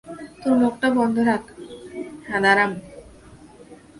তোর মুখটা বন্ধ রাখ, হাঁদারাম!